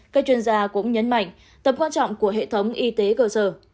các chuyên gia cũng nhấn mạnh tầm quan trọng của hệ thống y tế cơ sở